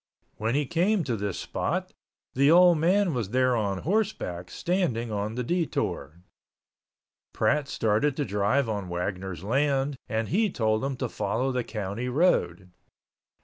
When he came to this spot, the old man was there on horseback, standing on the detour. Pratt started to drive on Wagner's land and he told him to follow the county road.